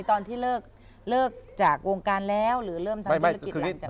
ตอนที่เลิกจากวงการแล้วหรือเริ่มทำธุรกิจหลังจาก